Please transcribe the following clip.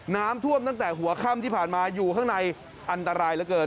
น้ำท่วมตั้งแต่หัวค่ำที่ผ่านมาอยู่ข้างในอันตรายเหลือเกิน